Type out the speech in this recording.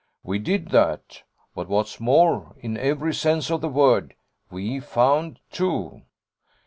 'We did that: but what's more, in every sense of the word, we found two.'